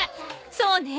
そうね！